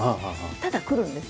ただ来るんです。